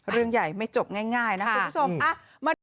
เรื่องใหญ่ไม่จบง่ายนะคุณผู้ชม